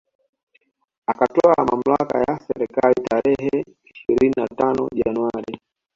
Akatwaa mamlaka ya serikali tarehe ishirini na tano Januari